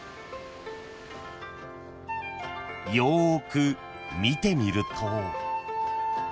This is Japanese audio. ［よーく見てみると］